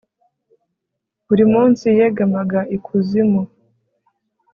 buri munsi yegamaga ikuzimu